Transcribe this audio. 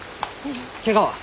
ケガは？